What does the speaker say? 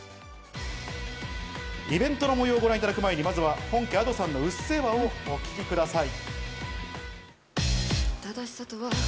イベントの模様をご覧いただく前にまずは本家Ａｄｏさんの『うっせぇわ』をお聴きください。